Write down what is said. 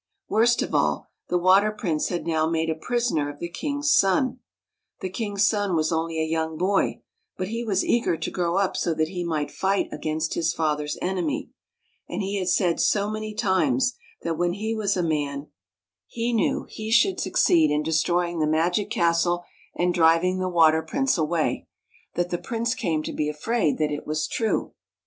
Worst of all, the Water Prince had now made a prisoner of the king's son. The king's son was only a young boy, but he was eager to grow up so that he might fight against his father's enemy, and he had said so many times that when he was a man he knew 125 THE CASTLE UNDER THE SEA he should succeed in destroying the magic castle and driving the Water Prince away, that the Prince came to be afraid that it was true.